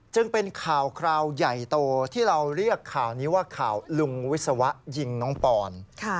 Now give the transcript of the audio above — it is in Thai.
จึงเป็นข่าวคราวใหญ่โตที่เราเรียกข่าวนี้ว่าข่าวลุงวิศวะยิงน้องปอน